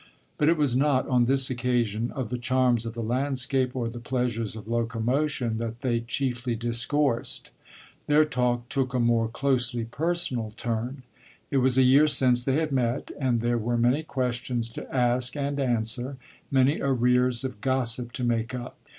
But it was not, on this occasion, of the charms of the landscape or the pleasures of locomotion that they chiefly discoursed. Their talk took a more closely personal turn. It was a year since they had met, and there were many questions to ask and answer, many arrears of gossip to make up.